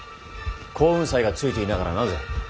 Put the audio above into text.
耕雲斎がついていながらなぜ。